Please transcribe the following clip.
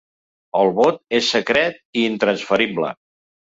El vot és secret i intransferible.